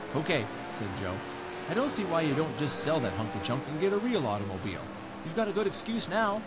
"Okay," said Joe. "I don't see why you don't just sell that hunk of junk and get a real automobile. You've got a good excuse now.